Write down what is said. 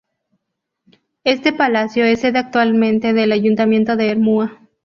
Este palacio es sede actualmente del Ayuntamiento de Ermua.